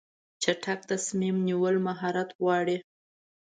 چټک تصمیم نیول مهارت غواړي.